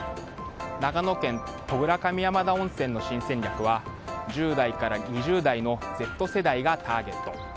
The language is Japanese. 長野県戸倉上山田温泉の新戦略は１０代から２０代のＺ世代がターゲット。